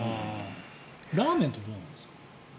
ラーメンってどうなんですか？